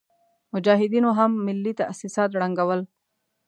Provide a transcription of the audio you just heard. مجاهدينو هم ملي تاسيسات ړنګول.